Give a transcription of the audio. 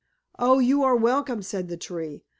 ] "Oh, you are welcome," said the tree.